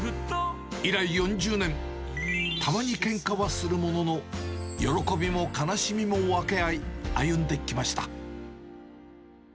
以来４０年、たまにけんかはするものの、喜びも悲しみも分け合い、歩んできました。